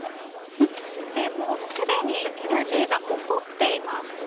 もうすでにＮＧが起こっています。